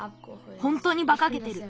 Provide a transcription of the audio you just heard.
ほんとにばかげてる。